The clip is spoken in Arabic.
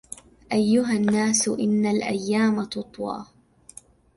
أَيُّهَا النَّاسُ إنَّ الْأَيَّامَ تُطْوَى